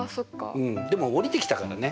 うんでもおりてきたからね。